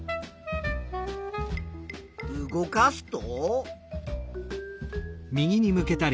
動かすと？